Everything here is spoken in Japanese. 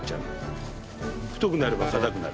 太くなれば硬くなる。